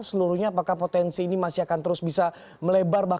seluruhnya apakah potensi ini masih akan terus bisa melebar bahwa ini berhasil